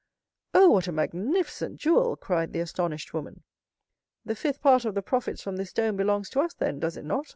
"Oh, what a magnificent jewel!" cried the astonished woman. "The fifth part of the profits from this stone belongs to us then, does it not?"